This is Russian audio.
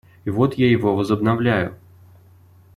И вот я его возобновляю.